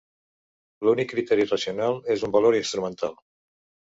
L'únic criteri racional és un valor instrumental.